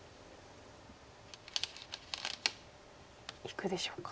いくでしょうか。